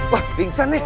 wah bingksan nih